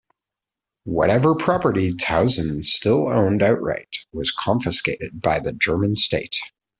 Whatever property Tausend still owned outright was confiscated by the German state.